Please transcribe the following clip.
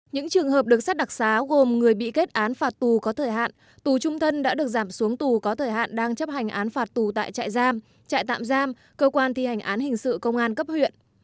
những trường hợp được sát đặc xá gồm người bị kết án phạt tù có thời hạn tù trung thân đã được giảm xuống tù có thời hạn đang chấp hành án phạt tù tại trại giam trại tạm giam cơ quan thi hành án hình sự công an cấp huyện